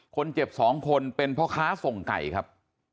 คนเจ็บ๒คนเป็นพ่อค้าส่งไก่ครับ